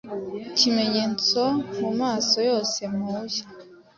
Ikimenyetso mumaso yose mpuye,